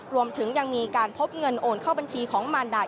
รวมถึงยังมีการพบเงินโอนเข้าบัญชีของมารดา